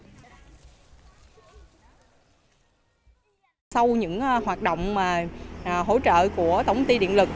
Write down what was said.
sau những hoạt động hỗ trợ của tổng ty điện lực